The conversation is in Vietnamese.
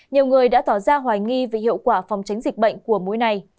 nhiều người đã tỏ ra hoài nghi về hiệu quả phòng chánh dịch bệnh của mũi này